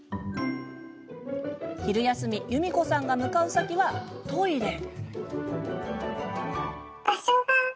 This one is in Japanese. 昼休みゆみこさんが向かう先はトイレ。